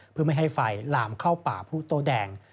เพื่อไม่ให้ไฟลามเข้าป่าผู้โตแดง